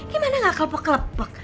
gimana gak kelapak kelapak